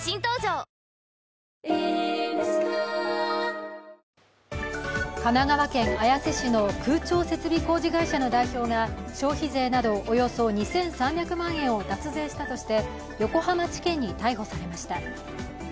フラミンゴ神奈川県綾瀬市の空調設備工事会社の代表が消費税などおよそ２３００万円を脱税したとして横浜地検に逮捕されました。